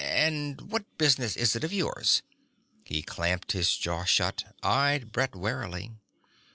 And what business is it of yours?" He clamped his jaw shut, eyed Brett warily.